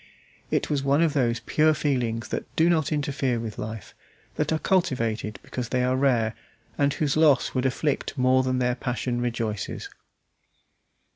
It was one of those pure feelings that do not interfere with life, that are cultivated because they are rare, and whose loss would afflict more than their passion rejoices.